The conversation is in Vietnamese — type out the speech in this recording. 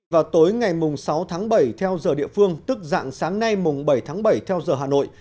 vào tối ngày sáu tháng bảy theo giờ địa phương tức dạng sáng nay mùng bảy tháng bảy theo giờ hà nội